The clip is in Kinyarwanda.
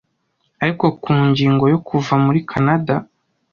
Ari ku ngingo yo kuva muri Kanada.